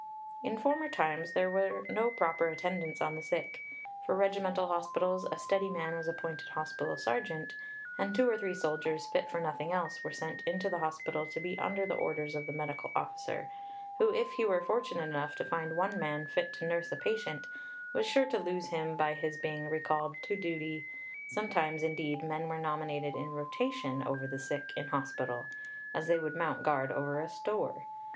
"In former times there were no proper attendants on the sick. For regimental hospitals a steady man was appointed hospital sergeant, and two or three soldiers, fit for nothing else, were sent into the hospital to be under the orders of the medical officer, who, if he were fortunate enough to find one man fit to nurse a patient, was sure to lose him by his being recalled 'to duty'; sometimes, indeed, men were nominated in rotation over the sick in hospital as they would mount guard over a store.